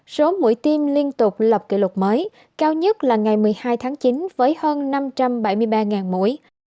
số mũi tiêm liên tục lập kỷ lục mới cao nhất là ngày một mươi hai tháng chín với hơn năm trăm bảy mươi ba mũi